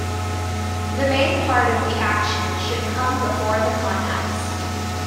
The main part of the action should come before the climax.